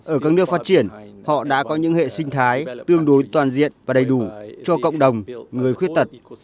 ở các nước phát triển họ đã có những hệ sinh thái tương đối toàn diện và đầy đủ cho cộng đồng người khuyết tật